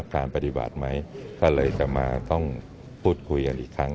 ก็เลยจะมาต้องพูดคุยกันอีกครั้ง